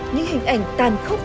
những hình ảnh tàn khốc